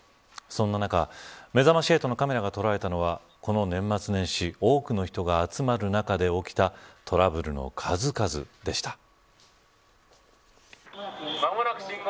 そんな中めざまし８のカメラが捉えたのはこの年末年始多くの人が集まる中で起きたトラブルの数々でした。